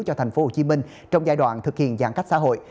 cho tp hcm trong giai đoạn thực hiện giãn cách xã hội